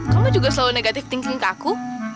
kamu juga selalu negatif thinking ke aku